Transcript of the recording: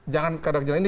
jangan kadang kadang ini